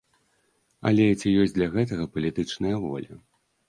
Але ці ёсць для гэтага палітычная воля?